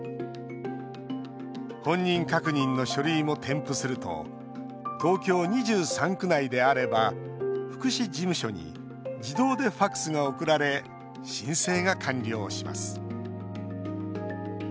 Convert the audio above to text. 本人確認の書類も添付すると東京２３区内であれば福祉事務所に自動でＦＡＸが送られ申請が完了します。